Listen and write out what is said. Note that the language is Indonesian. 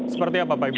seperti apa pak ibu